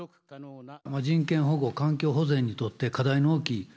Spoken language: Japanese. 人権の保護環境保全にとって課題が大きい。